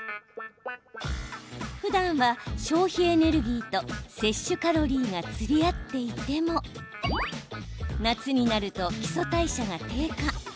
ふだんは消費エネルギーと摂取カロリーが釣り合っていても夏になると基礎代謝が低下。